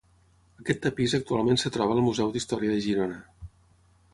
Aquest tapís actualment es troba al Museu d'Història de Girona.